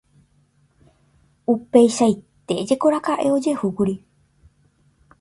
Upeichaite jekorakaʼe ojehúkuri.